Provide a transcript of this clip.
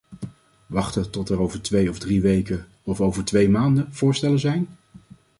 Wachten tot er over twee of drie weken, of over twee maanden, voorstellen zijn?